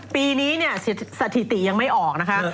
ปีนี้สถิติยังไม่ออกนะคะ